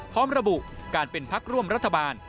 พร้อมระบุการเป็นพักร่วมรัฐบาล